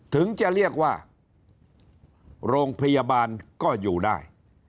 ถึงจะเรียกว่าโรงพยาบาลก็อยู่ได้